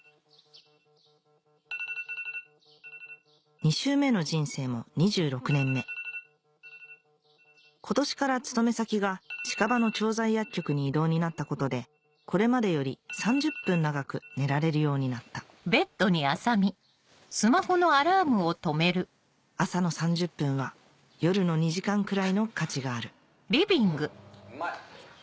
２周目の人生も２６年目今年から勤め先が近場の調剤薬局に異動になったことでこれまでより３０分長く寝られるようになった朝の３０分は夜の２時間くらいの価値があるうんうまい！